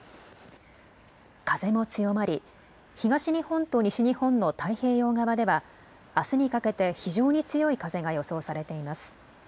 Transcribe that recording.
風も強まり、東日本と西日本の太平洋側では、あすにかけて非常に強い風が予想されています。